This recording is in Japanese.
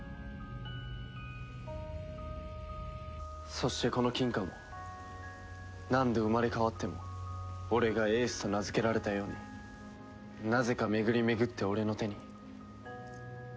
そしてこの金貨も何度生まれ変わっても俺がエースと名付けられたようになぜか巡り巡って俺の手に。